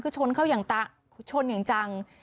คือชนเข้าอย่างชนอย่างจัง